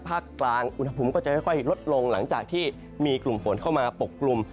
ภาคกลางอุณหภูมิก็จะค่อยลดลงหลังจากที่มีกลุ่มฝนเข้ามาปกกลุ่ม